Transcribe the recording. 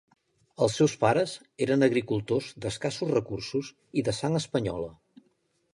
Els seus pares eren agricultors d'escassos recursos i de sang espanyola.